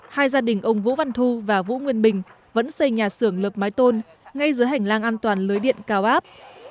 hai gia đình ông vũ văn thu và vũ nguyên bình vẫn xây nhà xưởng lợp mái tôn ngay giữa hành lang an toàn lưới điện cao áp